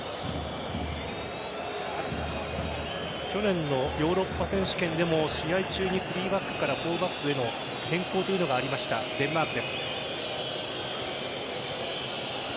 去年のヨーロッパ選手権でも試合中に３バックから４バックへの変更というのがありましたデンマークです。